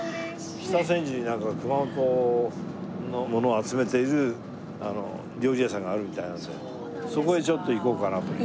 北千住になんか熊本のものを集めている料理屋さんがあるみたいなのでそこへちょっと行こうかなという。